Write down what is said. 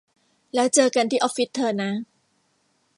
แล้วเจอกันที่ออฟฟิศเธอนะ